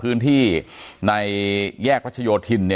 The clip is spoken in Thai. อย่างที่บอกไปว่าเรายังยึดในเรื่องของข้อ